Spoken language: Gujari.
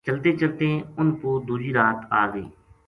چلتیں چلتیں انھ پو دوجی رات آ گئی